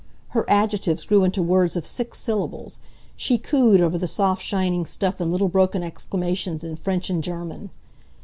Her adjectives grew into words of six syllables. She cooed over the soft shining stuff in little broken exclamations in French and German.